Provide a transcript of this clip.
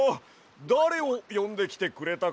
だれをよんできてくれたかや？